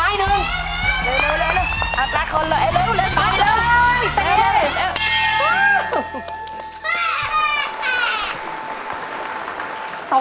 เตรียม